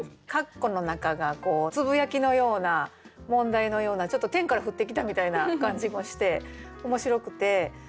括弧の中がつぶやきのような問題のようなちょっと天から降ってきたみたいな感じもして面白くて。